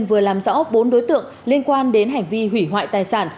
vừa làm rõ bốn đối tượng liên quan đến hành vi hủy hoại tài sản